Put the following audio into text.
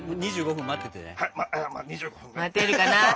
２５分待っててね。